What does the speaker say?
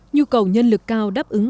nhu cầu nhân lực cao đáp ứng